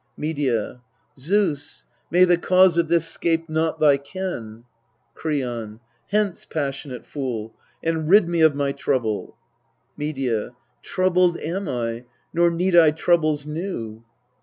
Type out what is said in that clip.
Medea. Zeus, may the cause of this 'scape not thy ken ! Kreon. Hence, passionate fool, and rid me of my trouble. Medea. Troubled am I, nor need I troubles new.